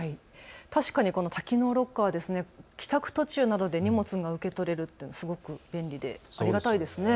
確かにこの多機能ロッカー、帰宅途中などで荷物を受け取れるというのはすごく便利でありがたいですね。